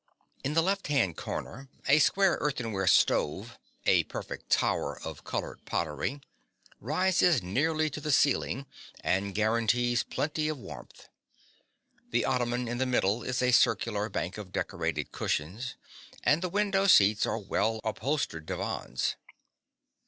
In the left hand corner, a square earthenware stove, a perfect tower of colored pottery, rises nearly to the ceiling and guarantees plenty of warmth. The ottoman in the middle is a circular bank of decorated cushions, and the window seats are well upholstered divans.